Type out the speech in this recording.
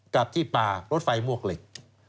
กับที่ป่ารถไฟมวกเหล็ก